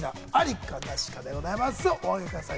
お上げください。